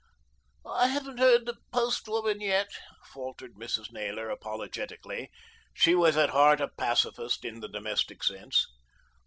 "I haven't heard the post woman yet," faltered Mrs. Naylor apologetically. She was at heart a pacifist in the domestic sense.